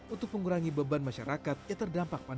untuk mengurangi beban masyarakat yang terdapat di masjid